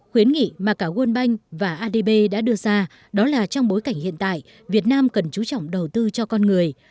khuyến nghị mà cả world bank và adb đã đưa ra đó là trong bối cảnh hiện tại việt nam cần chú trọng đầu tư cho con người